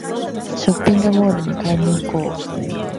ショッピングモールに買い物に行こう